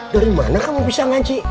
dari mana kamu bisa ngaji